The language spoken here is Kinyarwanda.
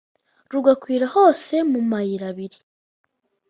agakwira hose mu mayirabiri!